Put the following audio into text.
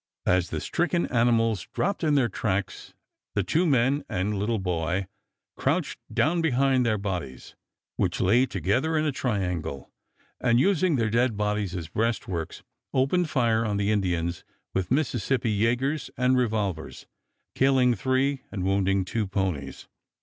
As the stricken animals dropped in their tracks the two men and little boy crouched down behind their bodies, which lay together in a triangle, and using their dead bodies as breastworks opened fire on the Indians with Mississippi yagers and revolvers, killing three and wounding two ponies.